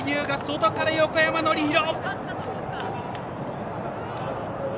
外から横山典弘。